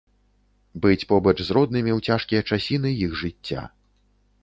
Быць побач з роднымі ў цяжкія часіны іх жыцця.